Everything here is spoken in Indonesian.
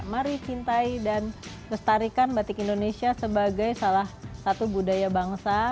mari cintai dan lestarikan batik indonesia sebagai salah satu budaya bangsa